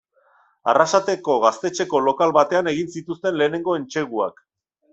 Arrasateko Gaztetxeko lokal batean egin zituzten lehenengo entseguak.